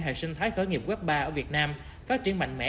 hệ sinh thái khởi nghiệp web ba ở việt nam phát triển mạnh mẽ